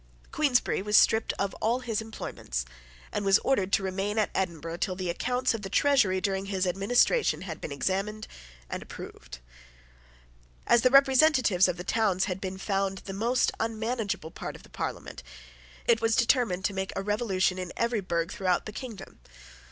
Queensberry was stripped of all his employments, and was ordered to remain at Edinburgh till the accounts of the Treasury during his administration had been examined and approved. As the representatives of the towns had been found the most unmanageable part of the Parliament, it was determined to make a revolution in every burgh throughout the kingdom.